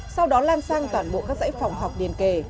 sau đó lan sang toàn bộ các dãy phòng học điền kề